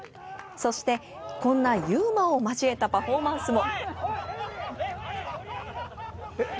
そして、こんなユーモアを交えたパフォーマンスも。